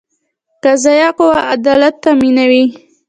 قضایه قوه عدالت تامینوي